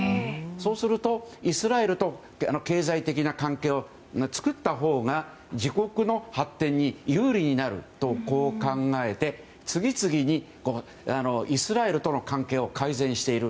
そうすると、イスラエルと経済的な関係を作ったほうが自国の発展に有利になるとこう考えて次々にイスラエルとの関係を改善している。